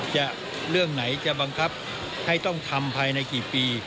เรื่องไหนจะบังคับให้ต้องทำภายในกี่ปี